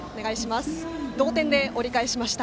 同点で折り返しました。